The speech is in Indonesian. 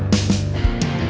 ehm gue sih pernah denger